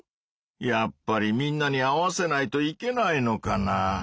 やっぱりみんなに合わせないといけないのかな？